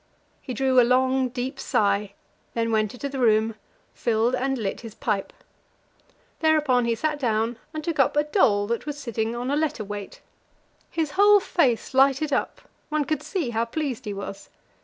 He drew a long, deep sigh, then went into the room, filled and lit his pipe. Thereupon he sat down and took up a doll that was sitting on a letter weight. His whole face lighted up; one could see how pleased he was.